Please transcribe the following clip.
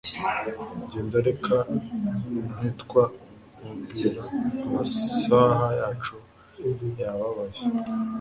Genda reka ntitwinubira amasaha yacu yababaye